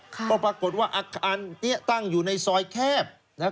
ก็ปรากฏว่าอาคารนี้ตั้งอยู่ในซอยแคบนะครับ